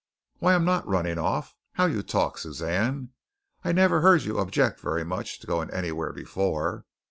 "Why, I'm not running how you talk, Suzanne! I never heard you object very much to going anywhere before.